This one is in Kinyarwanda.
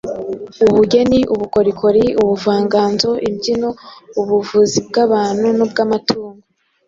ubugeni, ubukorikori, ubuvanganzo, imbyino, ubuvuzi bw'abantu n'ubw'amatungo.